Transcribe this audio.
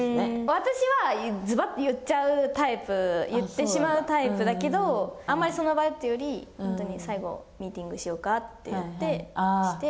私はずばっと言っちゃうタイプ言ってしまうタイプだけどあんまりその場というよりは最後、ミーティングしようかって言ってして。